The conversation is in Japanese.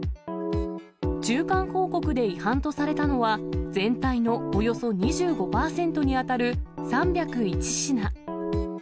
中間報告で違反とされたのは、全体のおよそ２５％に当たる３０１品。